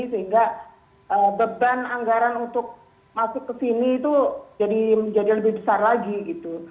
sehingga beban anggaran untuk masuk ke sini itu menjadi lebih besar lagi gitu